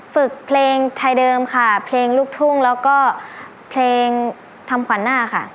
ฝึกเพลงไทยเดิมค่ะเพลงลูกทุ่งแล้วก็เพลงทำขวัญหน้าค่ะ